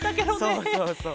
そうそうそう。